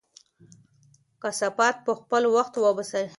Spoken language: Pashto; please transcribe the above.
کثافات په خپل وخت وباسئ.